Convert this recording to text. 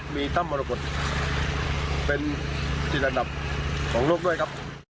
มีถ้ำมรกฏเป็นจิตระดับของโลกด้วยครับ